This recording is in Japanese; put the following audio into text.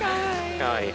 かわいい。